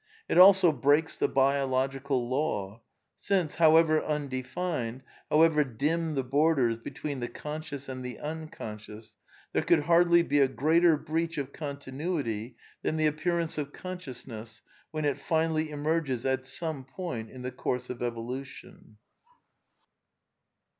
It also breaks the biological law; since, however undefined, how ever dim the borders between the conscious and the uncon scious, there could hardly be a greater breach of continuity than the appearance of consciousness when it finally emerges at some point in the course of evolution.